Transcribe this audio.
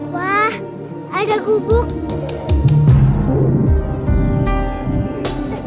wah ada gubuk